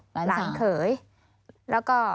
หลานเขยแล้วก็